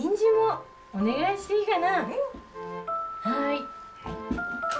はい。